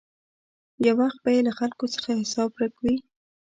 یو وخت به یې له خلکو څخه حساب ورک وي.